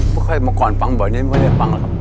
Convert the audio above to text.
ไม่ค่อยเมื่อก่อนฟังบ่อยนี้ไม่ได้ฟังหรอกครับ